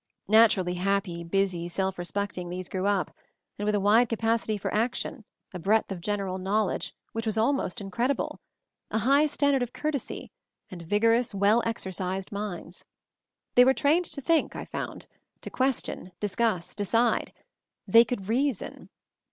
Naturally happy, busy, self respecting, these grew up; with a wide capacity for action, a breadth of general knowledge which was almost incredible, a high standard of courtesy, and vigorous, well exercised minds. They were trained to think, I found; to question, discuss, decide; they could reason.